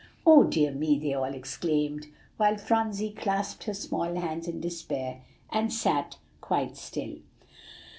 "Oh, dear me!" they all exclaimed, while Phronsie clasped her small hands in despair, and sat quite still.